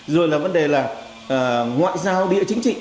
rồi là vấn đề là ngoại giao địa chính trị